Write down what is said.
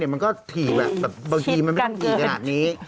มันก็ถี่แบบบางทีมันไม่ต้องถี่ขนาดนี้